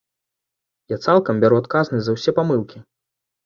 Я цалкам бяру адказнасць за ўсе памылкі.